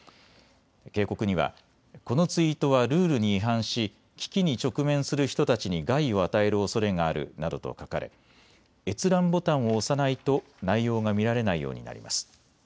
警告にはこのツイートはルールに違反し危機に直面する人たちに害を与えるおそれがあるなどと書かれ、閲覧ボタンを押さないと内容が見られないようになります。